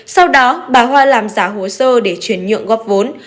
sau đó bà hoa làm giả hồ sơ để chuyển nhượng góp vốn